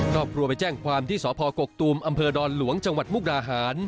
ครอบครัวไปแจ้งความที่สพกกตูมอำเภอดอนหลวงจังหวัดมุกดาหาร